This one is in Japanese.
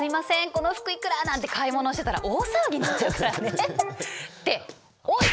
この服いくら？」なんて買い物してたら大騒ぎになっちゃうからねっておい！